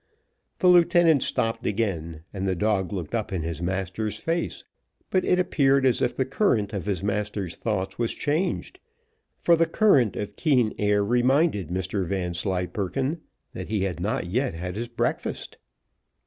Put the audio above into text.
The lieutenant stopped again, and the dog looked up in his master's face; but it appeared as if the current of his master's thoughts was changed, for the current of keen air reminded Mr Vanslyperken that he had not yet had his breakfast.